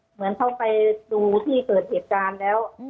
เหมือนเขาไปดูที่เกิดเหตุการณ์แล้ว